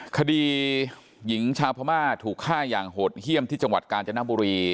คดีหญิงชาวพม่าถูกฆ่าอย่างโหดเยี่ยมที่จังหวัดกาญจนบุรี